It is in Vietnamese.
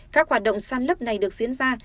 các hoạt động săn lấp này được diễn ra